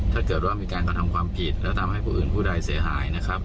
ถ้าเกิดว่ามีการกระทำความผิดแล้วทำให้ผู้อื่นผู้ใดเสียหายนะครับ